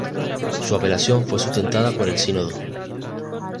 Su apelación fue sustentada por el Sínodo.